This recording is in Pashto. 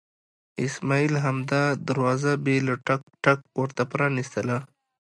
اسماعیل همدا دروازه بې له ټک ټکه ورته پرانستله.